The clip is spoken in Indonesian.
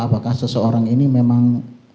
apakah seseorang ini memang